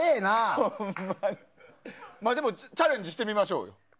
チャレンジしてみましょうよ。